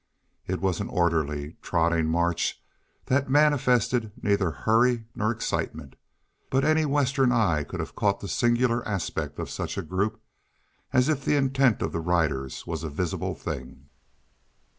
It was an orderly, trotting march that manifested neither hurry nor excitement. But any Western eye could have caught the singular aspect of such a group, as if the intent of the riders was a visible thing.